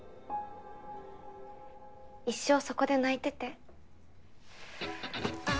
一生そこで泣いてて。